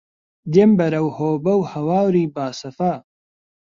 دێم بەرەو هۆبە و هەواری باسەفا